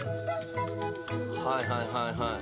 はいはいはいはい。